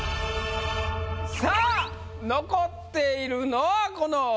さあ残っているのはこのお２人。